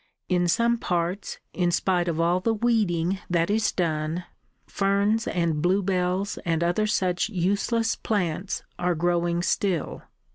In some parts, in spite of all the weeding that is done, ferns and bluebells and other such useless plants are growing still.